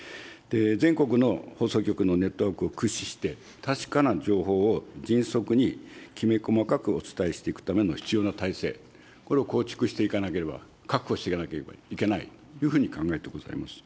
全国の放送局のネットワークを駆使して、確かな情報を迅速にきめ細かくお伝えしていくための必要な体制、これを構築していかなければ、確保していかなければいけないというふうに考えてございます。